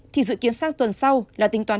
thì dự kiến sang tuần sau là tính toán